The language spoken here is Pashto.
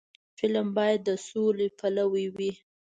فلم باید د سولې پلوي وي